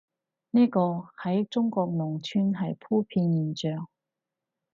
呢個，喺中國農村係普遍現象